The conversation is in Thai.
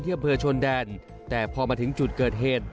อำเภอชนแดนแต่พอมาถึงจุดเกิดเหตุ